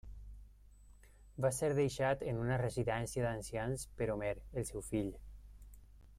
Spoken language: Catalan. Va ser deixat en una residència d'ancians per Homer, el seu fill.